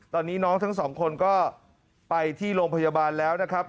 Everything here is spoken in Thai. ตอนนี้น้องทั้งสองคนก็ไปที่โรงพยาบาลแล้วนะครับ